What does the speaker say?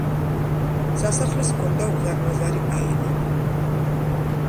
სასახლეს ჰქონდა უზარმაზარი აივანი.